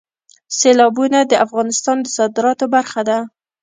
سیلابونه د افغانستان د صادراتو برخه ده.